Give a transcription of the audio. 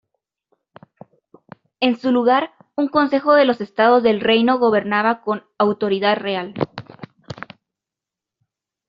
En su lugar, un consejo de los estados del reino gobernaba con autoridad real.